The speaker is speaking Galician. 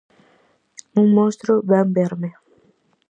Un monstro vén verme.